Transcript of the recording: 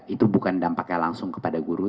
itu bukan dampaknya langsung kepada guru